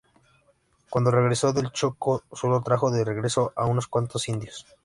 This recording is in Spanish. Cuando regresó del Chocó sólo trajo de regreso a unos cuantos indios.